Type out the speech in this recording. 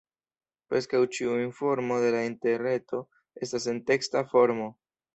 Preskaŭ ĉiu informo de la Interreto estas en teksta formo.